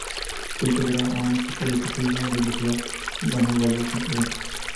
Se integró a un equipo de ciclismo de la ciudad y ganó varios eventos.